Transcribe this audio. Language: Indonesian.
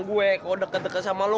gue kalau deket deket sama elu